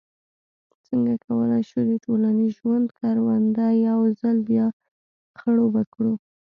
څنګه کولای شو د ټولنیز ژوند کرونده یو ځل بیا خړوبه کړو.